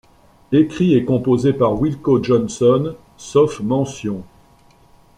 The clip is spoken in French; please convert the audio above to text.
Écrits et composés par Wilko Johnson sauf mention.